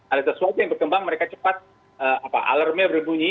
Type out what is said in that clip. alertness suatu yang berkembang mereka cepat alarmnya berbunyi